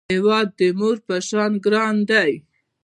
هیواد د مور په شان ګران دی